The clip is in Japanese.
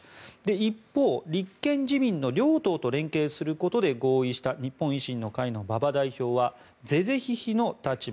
一方、立憲・自民の両党と連携することで合意した日本維新の会の馬場代表は是々非々の立場